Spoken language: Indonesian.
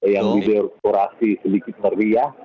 yang di dekorasi sedikit meriah